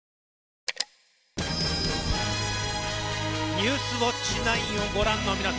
「ニュースウオッチ９」をご覧の皆様